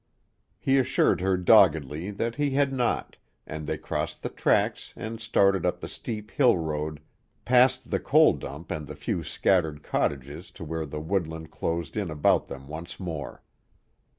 He assured her doggedly that he had not, and they crossed the tracks and started up the steep hill road past the coal dump and the few scattered cottages to where the woodland closed in about them once more.